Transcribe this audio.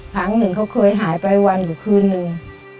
ครั้งหนึ่งเขาเคยหายไปวันอยู่คืนนึง